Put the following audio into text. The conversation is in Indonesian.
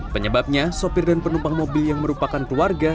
penyebabnya sopir dan penumpang mobil yang merupakan keluarga